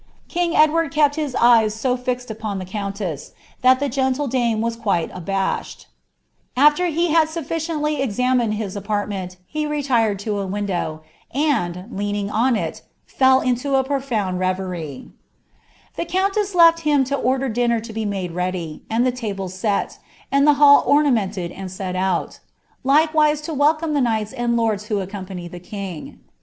King Edward kept his eyea so filed upon the eonflWit that the gentle ilanie wae ituite abashed. Afler he hnd eafficiemly rt Brained hie aparifflenl, he retired to ■ window, and, leaning on it, y intu n profnand raverie. Tlic countess left him lo onler dinner to be maile ready, ami lb tables sut, and the hall onuimenied and set out; likewiae lo wdeoH llie knights and lords who accompanied the king.